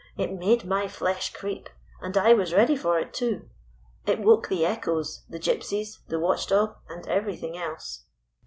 It made my flesh creep, and I was ready for it, too. It woke the echoes, the Gypsies, the watch dog and everything else.